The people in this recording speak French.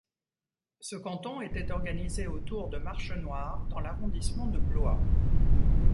Ce canton était organisé autour de Marchenoir dans l'arrondissement de Blois.